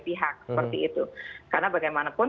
pihak seperti itu karena bagaimanapun